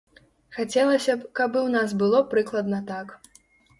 Хацелася б, каб і ў нас было прыкладна так.